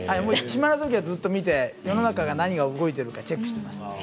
暇なときはずっと見て世の中、何が動いているかチェックします。